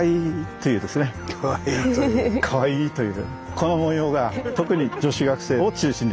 この文様が特に女子学生を中心に。